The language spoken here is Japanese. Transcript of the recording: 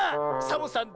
サボさん